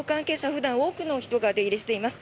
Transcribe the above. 普段、多くの人が出入りしています。